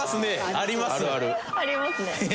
ありますね。